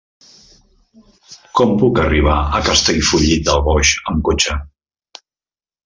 Com puc arribar a Castellfollit del Boix amb cotxe?